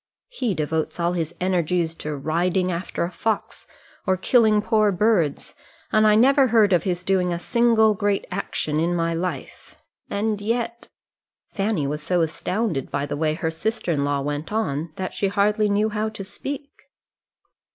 He devotes all his energies to riding after a fox or killing poor birds, and I never heard of his doing a single great action in my life. And yet " Fanny was so astounded by the way her sister in law went on, that she hardly knew how to speak.